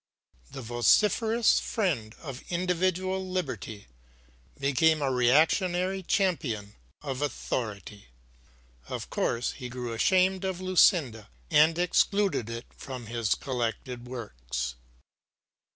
The vociferous friend of individual liberty became a reactionary champion of authority. Of course he grew ashamed of Lucinda and excluded it from his collected works.